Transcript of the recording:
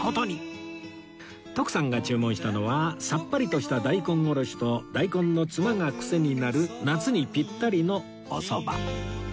徳さんが注文したのはさっぱりとした大根おろしと大根のツマがクセになる夏にピッタリのおそば